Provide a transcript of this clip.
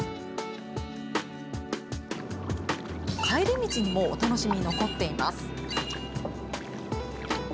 帰り道にもお楽しみは残っています。